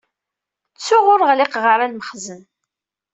Ttuɣ ur ɣliqeɣ ara lmexzen.